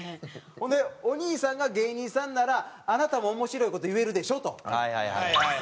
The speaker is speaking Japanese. ほんでお兄さんが芸人さんならあなたも面白い事言えるでしょ？と。